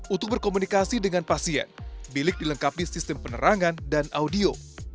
untuk berkomunikasi dengan pasien bilik dilengkapi sistem penerangan dan audio